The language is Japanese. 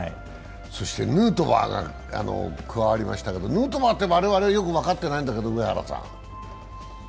ヌートバーが加わりましたが、ヌートバーって我々よく分かってないんだけど、上原さん。